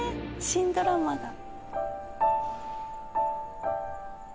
新ドラマだ。